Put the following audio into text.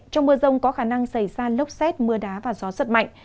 trong mưa rông có khả năng xảy ra lốc xét mưa đá và gió giật mạnh